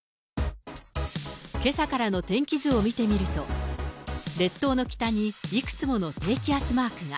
けさからの天気図を見てみると、列島の北にいくつもの低気圧マークが。